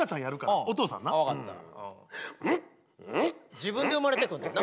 自分で生まれてくんねんな。